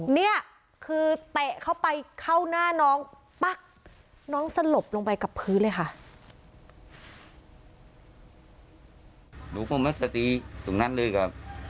เนี่ยคือเตะเข้าไปเข้าหน้าน้องปั๊กน้องสลบลงไปกับพื้นเลยค่ะ